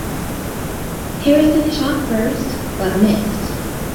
Harrison shot first, but missed.